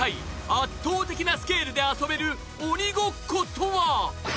圧倒的なスケールで遊べる鬼ごっことは。